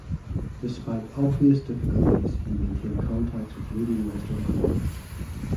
Despite obvious difficulties he maintained contacts with leading Western colleagues.